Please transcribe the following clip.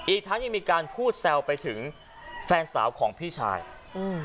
อีกทั้งยังมีการพูดแซวไปถึงแฟนสาวของพี่ชายอืม